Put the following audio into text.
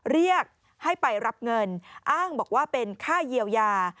เรียกให้ไปรับเงินอ้างบอกว่าเป็นค่าเยียวยา